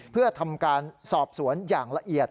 เพื่อทำการสอบสวนอย่างละเอียด